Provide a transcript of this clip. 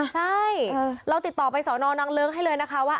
ใช่เราติดต่อไปสอนอนังเลิ้งให้เลยนะคะว่า